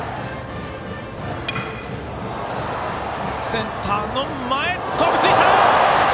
センターの前、飛びついた！